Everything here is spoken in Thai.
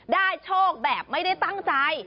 โชคแบบไม่ได้ตั้งใจ